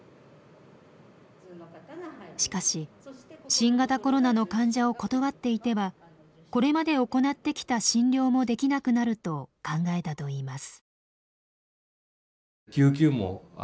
しかし新型コロナの患者を断っていてはこれまで行ってきた診療もできなくなると考えたといいます。